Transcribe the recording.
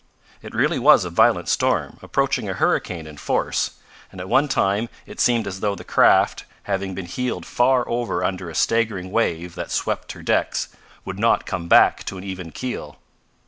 It really was a violent storm, approaching a hurricane in force, and at one time it seemed as though the craft, having been heeled far over under a staggering wave that swept her decks, would not come back to an even keel.